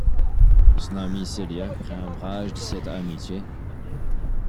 Son amie Celia prend ombrage de cette amitié.